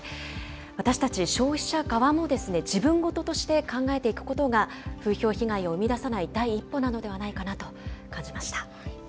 私たち消費者側も自分事として考えていくことが、風評被害を生み出さない第一歩なのではないかなと感じました。